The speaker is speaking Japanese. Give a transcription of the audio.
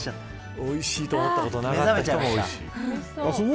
おいしいと思ったことない口なのに。